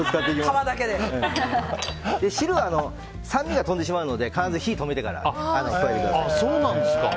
汁は酸味が飛んでしまうので必ず火を止めてから。